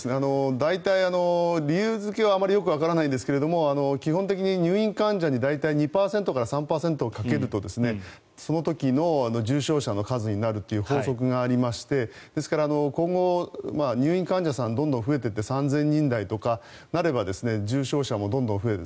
大体、理由付けはあまりよくわかりませんが基本的に入院患者に２％から３％掛けるとその時の重症者の数になるという法則がありましてですから、今後入院患者さんがどんどん増えていって３０００人台とかになれば重症者もどんどん増える。